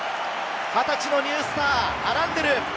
２０歳のニュースター、アランデル！